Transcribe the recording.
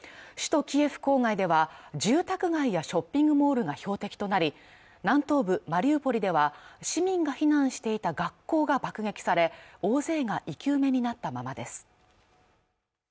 首都キエフ郊外では住宅街やショッピングモールが標的となり南東部マリウポリでは市民が避難していた学校が爆撃され大勢が生き埋めになったままです